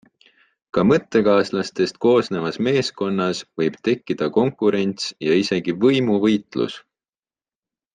Ka mõttekaaslastest koosnevas meeskonnas võib tekkida konkurents ja isegi võimuvõitlus.